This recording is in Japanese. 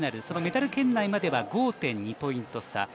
そのメダル圏内までは５．２ポイント差。